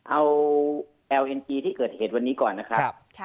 เอาแอลเอ็นจีที่เกิดเหตุวันนี้ก่อนนะครับ